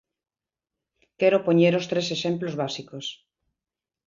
Quero poñer os tres exemplos básicos.